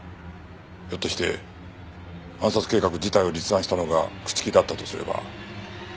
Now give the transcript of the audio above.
ひょっとして暗殺計画自体を立案したのが朽木だったとすれば。